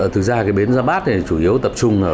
thực ra bến giáp bát này chủ yếu tập trung ở bốn